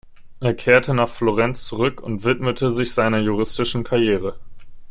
Er kehrte nach Florence zurück und widmete sich seiner juristischen Karriere.